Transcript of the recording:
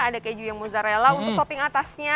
ada keju yang mozzarella untuk topping atasnya